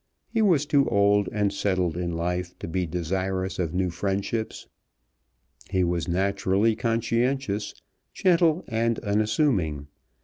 He was too old and settled in life to be desirous of new friendships. He was naturally conscientious, gentle, and unassuming.